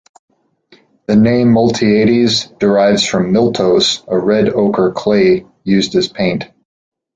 The name "Miltiades" derives from "miltos", a red ochre clay used as paint.